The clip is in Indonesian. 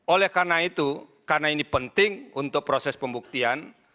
oleh karena itu karena ini penting untuk proses pembuktian